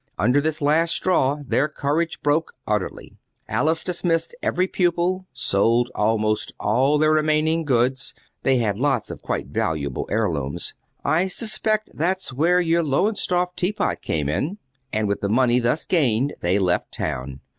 Under this last straw their courage broke utterly. Alice dismissed every pupil, sold almost all their remaining goods they had lots of quite valuable heirlooms; I suspect that's where your Lowestoft teapot came in and with the money thus gained they left town.